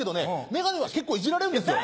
眼鏡は結構イジられるんですよ。